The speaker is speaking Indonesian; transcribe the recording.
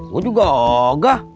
gue juga gak ada